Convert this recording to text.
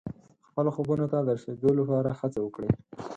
خپلو خوبونو ته د رسېدو لپاره هڅه وکړئ.